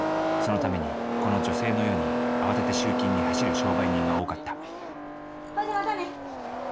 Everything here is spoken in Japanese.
そのためにこの女性のように慌てて集金に走る商売人が多かったほいじゃまたね。